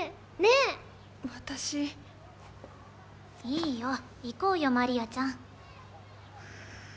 いいよ行こうよマリアちゃん。